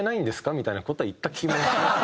みたいな事は言った気も。